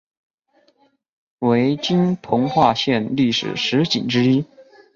为今彰化县历史十景之一。